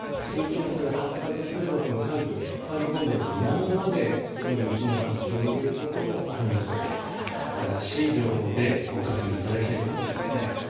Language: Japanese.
低気圧が発達すれば寒気を引っ張り込んで南まで雪の範囲を広げることもありますので新しい情報でご確認いただきたいと思います。